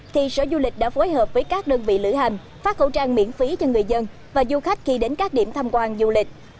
thì sở du lịch đã phối hợp với các đơn vị lữ hành phát khẩu trang miễn phí cho người dân và du khách khi đến các điểm tham quan du lịch